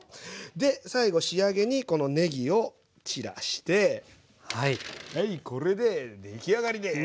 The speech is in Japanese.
で最後仕上げにこのねぎを散らしてはいこれで出来上がりです。